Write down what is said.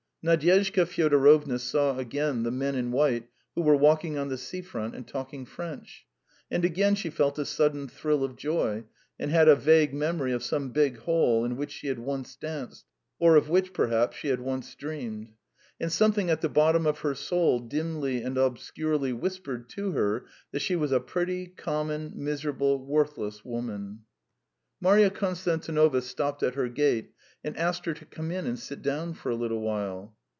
Nadyezhda Fyodorovna saw again the men in white who were walking on the sea front and talking French; and again she felt a sudden thrill of joy, and had a vague memory of some big hall in which she had once danced, or of which, perhaps, she had once dreamed. And something at the bottom of her soul dimly and obscurely whispered to her that she was a pretty, common, miserable, worthless woman. ... Marya Konstantinovna stopped at her gate and asked her to come in and sit down for a little while.